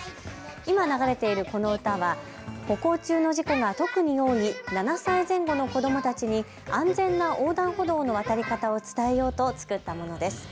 今、流れているこの歌は歩行中の事故が特に多い７歳前後の子どもたちに安全な横断歩道の渡り方を伝えようと作ったものです。